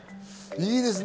いいですね。